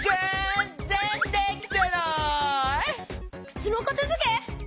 くつのかたづけ？